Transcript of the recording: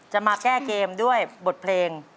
มาแก้เกมด้วยบทเพลง